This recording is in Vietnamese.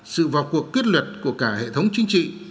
sự vào cuộc quyết liệt của cả hệ thống chính trị